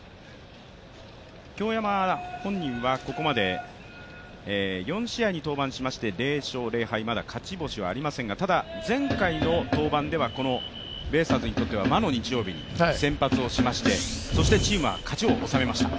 京山本人はここまで４試合に登板しまして０勝０敗、まだ勝ち星はありませんがただ、前回の登板ではベイスターズにとっては魔の日曜日に先発をしましてそしてチームは勝ちを収めました。